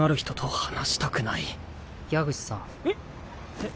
えっ？